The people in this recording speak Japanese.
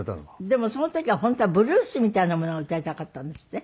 でもその時は本当はブルースみたいなものが歌いたかったんですって？